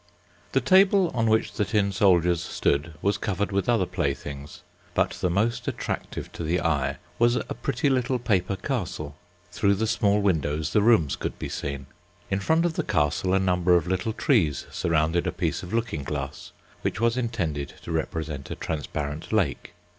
The table on which the tin soldiers stood, was covered with other playthings, but the most attractive to the eye was a pretty little paper castle. Through the small windows the rooms could be seen. In front of the castle a number of little trees surrounded a piece of looking glass, which was intended to represent a transparent lake.